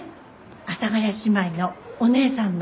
阿佐ヶ谷姉妹のお姉さんの。